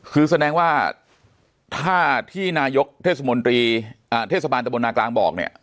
คือแสดงว่าถ้าที่นายกเทศบรรณกลางบอกเนี่ย